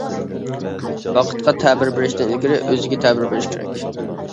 ۋاقىتقا تەبىر بېرىشتىن ئىلگىرى ئۆزىگە تەبىر بېرىش كېرەك.